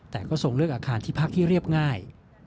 แต่ก็ทรงเลือกอาคารที่พักที่เรียบง่าย